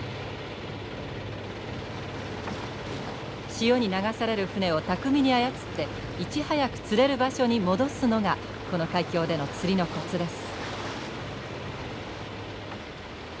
潮に流される船を巧みに操っていち早く釣れる場所に戻すのがこの海峡での釣りのコツです。